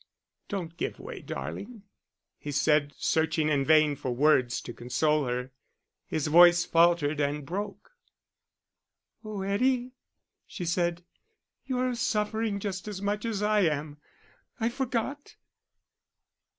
"Don't give way, darling," he said, searching in vain for words to console her. His voice faltered and broke. "Oh, Eddie," she said, "you're suffering just as much as I am. I forgot....